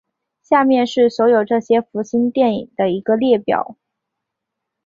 下面是所有这些福星电影的一个列表。